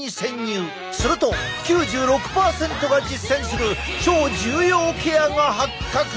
すると９６％が実践する超重要ケアが発覚！